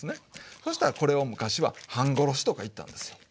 そしたらこれを昔は「半殺し」とか言ったんですよ。